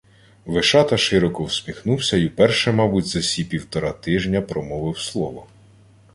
Вишата широко всміхнувся й уперше, мабуть, за сі півтора тижня промовив слово: